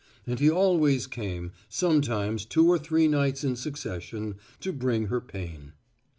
And he always came, sometimes two or three nights in succession, to bring her pain.